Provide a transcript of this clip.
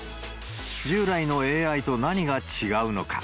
従来のＡＩと何が違うのか。